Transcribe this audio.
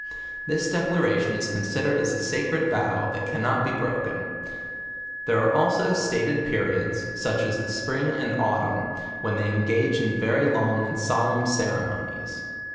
This declaration is considered aa a sacred vow that cannot be broken, 'i here are also stated periods, such as the spring and autumn, when they engage in very long and solemn ceremonies.